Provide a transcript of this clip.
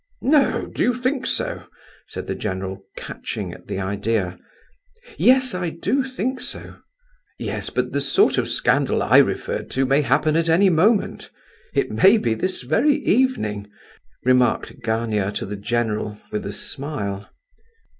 "No! do you think so?" said the general, catching at the idea. "Yes, I do think so!" "Yes, but the sort of scandal I referred to may happen at any moment. It may be this very evening," remarked Gania to the general, with a smile.